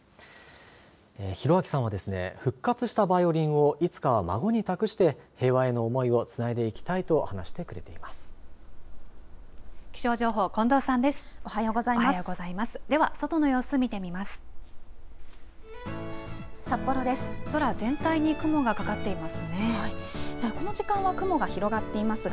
弘明さんはですね復活したバイオリンをいつかは孫に託して平和への思いをつないでいきたいと話してくれています。